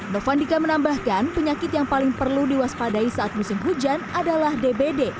novandika menambahkan penyakit yang paling perlu diwaspadai saat musim hujan adalah dbd